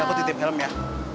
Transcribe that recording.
aku titip helm ya